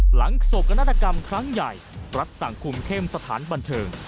โศกนาฏกรรมครั้งใหญ่รัฐสั่งคุมเข้มสถานบันเทิง